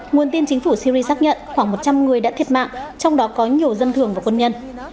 nguồn tin chính phủ syri xác nhận khoảng một trăm linh người đã thiệt mạng trong đó có nhiều dân thường và quân nhân